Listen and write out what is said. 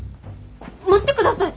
待ってください！